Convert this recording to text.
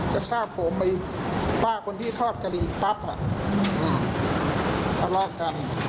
กระชากผมไปป้าคนที่ทอดกะหรี่ปั๊บทะเลาะกัน